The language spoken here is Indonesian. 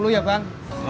lima puluh ya bang